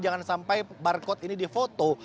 jangan sampai barcode ini difoto